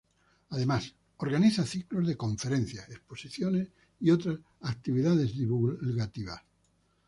Además, organiza ciclos de conferencias, exposiciones y otras actividades divulgativas.